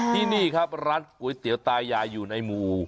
ที่นี่ครับร้านก๋วยเตี๋ยวตายายอยู่ในหมู่